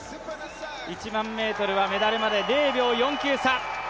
１００００ｍはメダルまで０差４９差